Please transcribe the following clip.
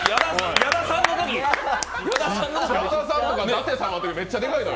矢田さんとか舘様のときめっちゃでかいのよ。